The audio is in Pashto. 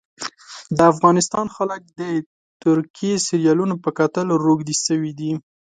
د افغانستان خلک د ترکي سیریالونو په کتلو روږدي سوي دي